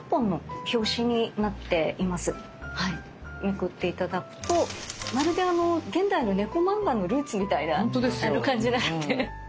めくって頂くとまるで現代の猫漫画のルーツみたいな感じがあって。